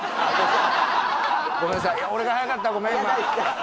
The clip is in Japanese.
ごめんなさい俺が早かったごめん